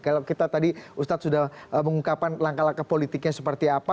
kalau kita tadi ustadz sudah mengungkapkan langkah langkah politiknya seperti apa